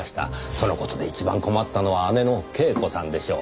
その事で一番困ったのは姉の恵子さんでしょう。